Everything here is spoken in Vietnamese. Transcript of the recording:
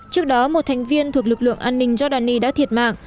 trước đó một thành viên thuộc lực lượng an ninh jordani đã thiệt mạng